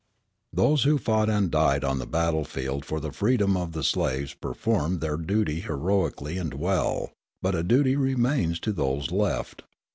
Those who fought and died on the battlefield for the freedom of the slaves performed their duty heroically and well, but a duty remains to those left.